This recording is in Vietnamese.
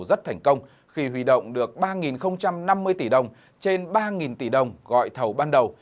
rất thành công khi huy động được ba năm mươi tỷ đồng trên ba tỷ đồng gọi thầu ban đầu